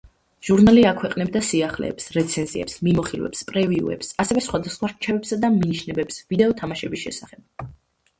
ჟურნალი აქვეყნებდა სიახლეებს, რეცენზიებს, მიმოხილვებს, პრევიუებს, ასევე სხვადასხვა რჩევებსა და მინიშნებებს ვიდეო თამაშების შესახებ.